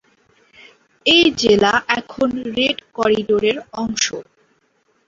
এই জেলা এখন রেড করিডোরের অংশ।